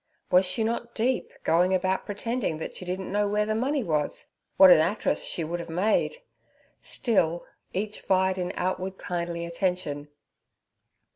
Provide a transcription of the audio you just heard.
Was she not deep, going about pretending that she didn't know where the money was? What an actress she would have made! Still, each vied in outward kindly attention.